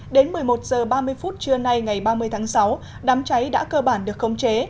đến một mươi một h ba mươi phút trưa nay ngày ba mươi tháng sáu đám cháy đã cơ bản được khống chế